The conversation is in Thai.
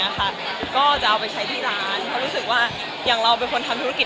ก็จะเอาไปใช้ที่ร้านเพราะรู้สึกว่าอย่างเราเป็นคนทำธุรกิจ